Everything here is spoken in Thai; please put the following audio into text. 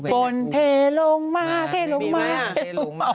ฝนเทลงมาเทลงมา